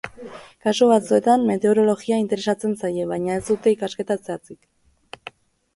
Kasu batzuetan meteorologia interesatzen zaie, baina ez dute ikasketa zehatzik.